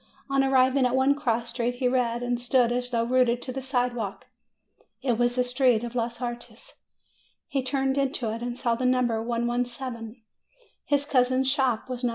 On arriving at one cross street, he read, and stood as though rooted to the sidewalk. It was the street of los Artes. He turned into it, and saw the number 117; his cousin's shop was No.